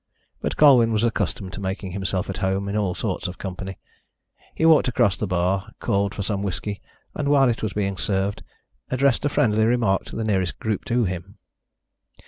But Colwyn was accustomed to making himself at home in all sorts of company. He walked across the bar, called for some whisky, and, while it was being served, addressed a friendly remark to the nearest group to him.